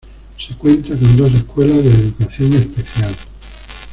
Se cuenta con dos escuelas de Educación Especial.